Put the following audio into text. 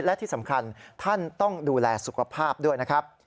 และที่สำคัญท่านต้องดูแลสุขภาพด้วยนะครับ